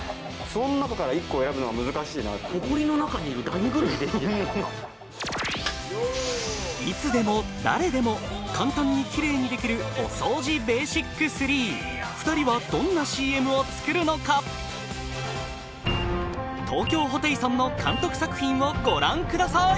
そのなかから１個選ぶのが難しいなっていつでも誰でも簡単にキレイにできるおそうじベーシック３二人はどんなＣＭを作るのか東京ホテイソンの監督作品をご覧ください